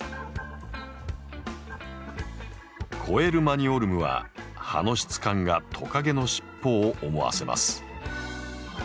コエルマニオルムは葉の質感がトカゲの尻尾を思わせます。